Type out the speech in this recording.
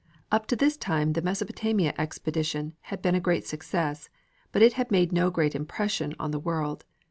Up to this time the Mesopotamia Expedition had been a great success, but it had made no great impression on the world.